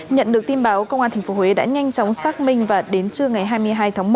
nhận được tin báo công an tp huế đã nhanh chóng xác minh và đến trưa ngày hai mươi hai tháng một